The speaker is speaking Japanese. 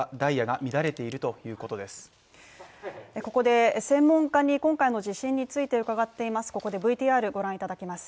ここで専門家に今回の地震について伺っています。